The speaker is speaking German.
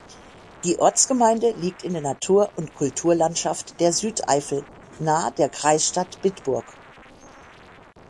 Die Ortsgemeinde liegt in der Natur- und Kulturlandschaft der Südeifel, nahe der Kreisstadt Bitburg.